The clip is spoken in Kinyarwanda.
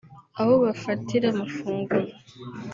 aho bafatira amafunguro